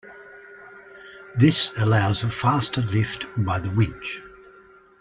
This allows a faster lift by the winch.